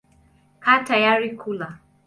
Kaa tayari kula.